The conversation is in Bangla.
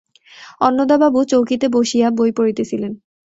অন্নদাবাবু চৌকিতে বসিয়া বই পড়িতেছিলেন।